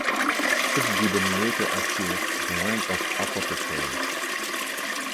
Fitzgibbon later achieved the rank of Apothecary.